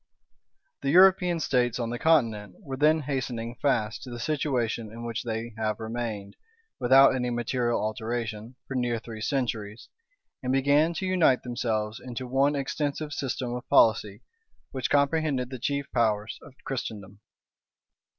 Virg. p. 575. The European states on the continent were then hastening fast to the situation in which they have remained, without any material alteration, for near three centuries; and began to unite themselves into one extensive system of policy, which comprehended the chief powers of Christendom.